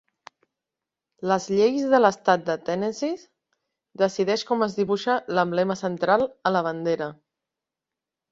Les lleis de l"estat de Tennessee decideix com es dibuixa l"emblema central a la bandera.